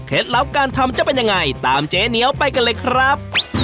ลับการทำจะเป็นยังไงตามเจ๊เหนียวไปกันเลยครับ